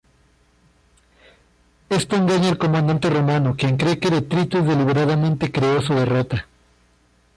Esto engaña al comandante romano, quien cree que Detritus deliberadamente creó su derrota.